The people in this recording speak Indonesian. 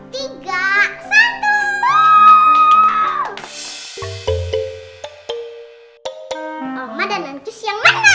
mama dan ancus yang menang